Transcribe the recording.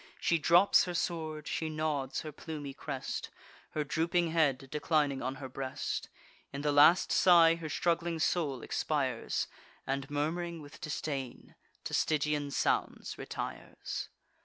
She drops her sword; she nods her plumy crest, Her drooping head declining on her breast: In the last sigh her struggling soul expires, And, murm'ring with disdain, to Stygian sounds retires.